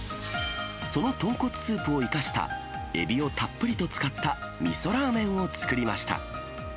その豚骨スープを生かしたエビをたっぷりと使ったみそラーメンを作りました。